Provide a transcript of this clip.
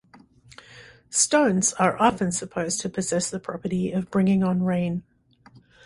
Stones are often supposed to possess the property of bringing on rain.